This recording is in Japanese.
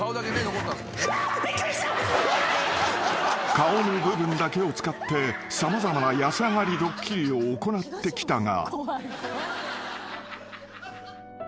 ［顔の部分だけを使って様々な安上がりドッキリを行ってきたが］